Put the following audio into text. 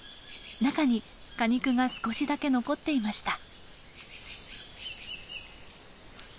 中に果肉が少しだけ残っていました。